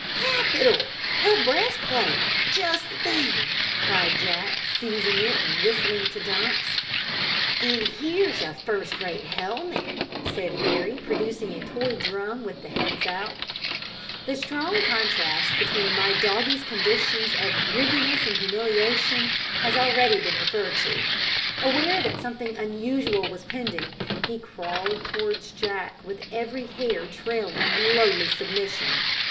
"Capital a breastplate! Just the thing!" cried Jack, seizing it, and whistling to Dumps. "And here's a first rate helmet," said Harry, producing a toy drum with the heads out. The strong contrast between my doggie's conditions of grigginess and humiliation has already been referred to. Aware that something unusual was pending, he crawled towards Jack with every hair trailing in lowly submission.